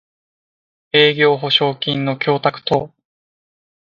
営業保証金の供託等